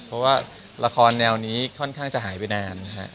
เพราะว่าละครแนวนี้ค่อนข้างจะหายไปนาน